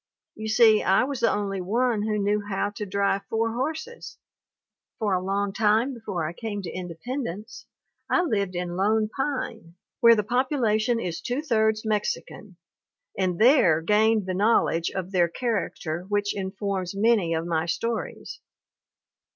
You see I was the only one who knew how to drive four horses. For a long time before I came to Independence, I lived in Lone Pine where the population is two thirds i68 THE WOMEN WHO MAKE OUR NOVELS Mexican and there gained the knowledge of their character which informs many of my stories.